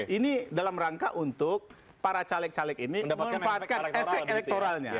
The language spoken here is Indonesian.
ini dalam rangka untuk para caleg caleg ini memanfaatkan efek elektoralnya